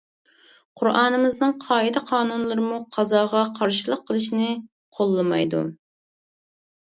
قۇرئانىمىزنىڭ قائىدە-قانۇنلىرىمۇ قازاغا قارشىلىق قىلىشنى قوللىمايدۇ.